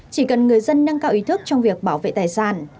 chỉ cần người dân nâng cao ý thức trong việc bảo vệ tài sản